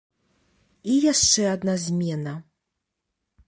І яшчэ адна змена.